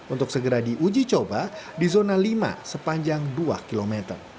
untuk segera diuji coba di zona lima sepanjang dua km